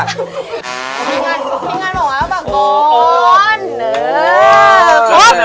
พี่งันพี่งันบอกแล้วว่าก่อน